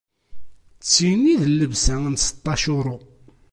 D tin i d llebsa n seṭṭac uṛu.